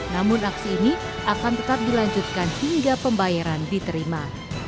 namun aksi ini akan tetap dilanjutkan hingga pembayaran diterima